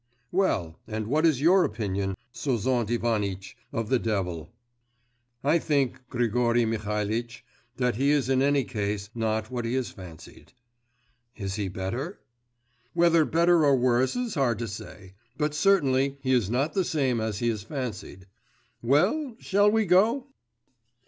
Well, and what is your opinion, Sozont Ivanitch, of the devil?' 'I think, Grigory Mihalitch, that he is in any case not what he is fancied.' 'Is he better?' 'Whether better or worse it's hard to say, but certainly he is not the same as he is fancied. Well, shall we go?